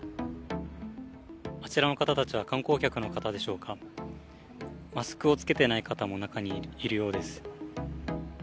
あちらの方たちは観光客の方でしょうか、マスクを着けてない方も中にはいるようです。